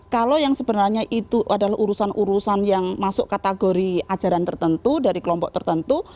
kalau yang sebenarnya itu adalah urusan urusan yang masuk kategori ajaran tertentu dari kelompok tertentu